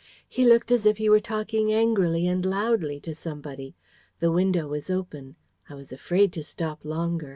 He looked as if he were talking angrily and loudly to somebody. The window was open. I was afraid to stop longer.